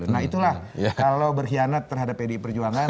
nah itulah kalau berkhianat terhadap pdi perjuangan